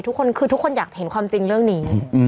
ทุกคนคือทุกคนอยากเห็นความจริงเรื่องนี้